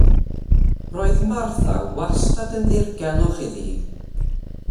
Roedd Martha wastad yn ddirgelwch iddi hi.